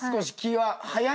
はい。